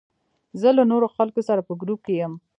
زه له نورو خلکو سره په ګروپ کې یم.